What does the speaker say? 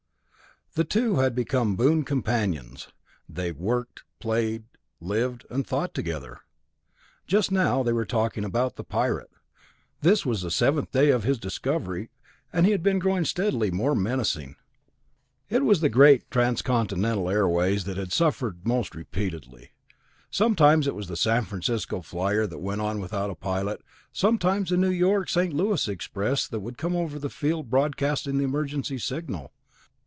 The two had become boon companions. They worked, played, lived, and thought together. Just now they were talking about the Pirate. This was the seventh day of his discovery, and he had been growing steadily more menacing. It was the great Transcontinental Airways that had suffered most repeatedly. Sometimes it was the San Francisco Flyer that went on without a pilot, sometimes the New York St. Louis expresses that would come over the field broadcasting the emergency signal.